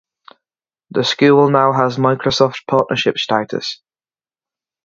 The school now has Microsoft partnership status.